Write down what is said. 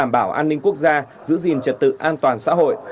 bảo an ninh quốc gia giữ gìn trật tự an toàn xã hội